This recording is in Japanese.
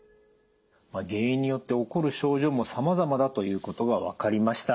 原因によって起こる症状もさまざまだということが分かりました。